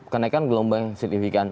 kenaikan gelombang signifikan